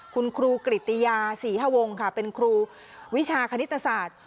คุณครูกริตติยาศรีฮวงค่ะเป็นครูวิชาคณิตศาสตร์